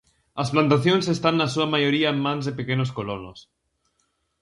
As plantacións están na súa maioría en mans de pequenos colonos.